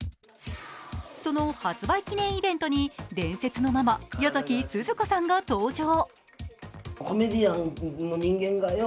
その発売記念イベントに伝説のママ、矢崎すず子さんが登場。